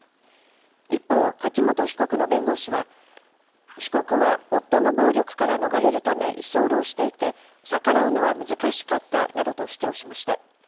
一方、柿本被告の弁護士は被告は夫の暴力から逃れるため居候していて逆らうのは難しかったなどと主張しました。